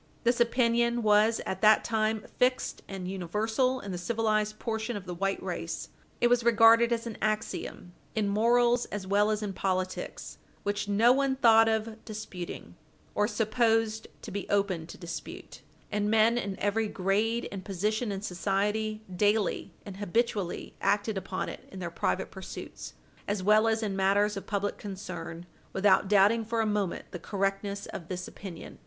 This opinion was at that time fixed and universal in the civilized portion of the white race. It was regarded as an axiom in morals as well as in politics which no one thought of disputing or supposed to be open to dispute, and men in every grade and position in society daily and habitually acted upon it in their private pursuits, as well as in matters of public concern, without doubting for a moment the correctness of this opinion.